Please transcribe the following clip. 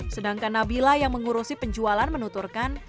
sedangkan nabila yang mengurusi penjualan menuturkan